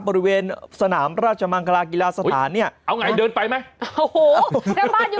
บริเวณสนามราชมังคลากีฬาสถานเนี่ยเอาไงเดินไปไหม